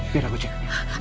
biar aku cek